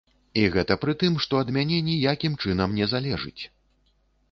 І гэта пры тым, што ад мяне ніякім чынам не залежыць!